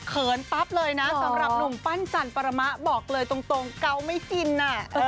ปั๊บเลยนะสำหรับหนุ่มปั้นจันปรมะบอกเลยตรงเกาไม่จินอ่ะ